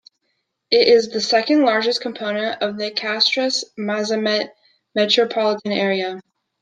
It is the second-largest component of the Castres-Mazamet metropolitan area.